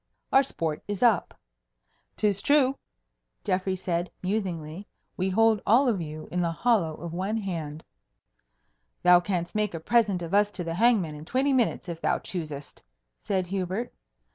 Our sport is up." "'Tis true," Geoffrey said, musingly, "we hold all of you in the hollow of one hand." "Thou canst make a present of us to the hangman in twenty minutes if thou choosest," said Hubert.